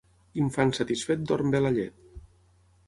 Infant satisfet dorm bé la llet.